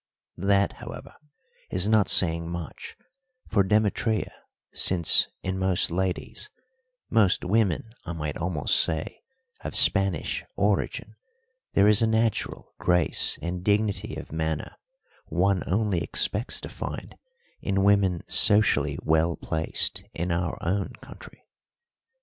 That, however, is not saying much for Demetria, since in most ladies most women I might almost say of Spanish origin thereis a natural grace and dignity of manner one only expects to find in women socially well placed in our own country.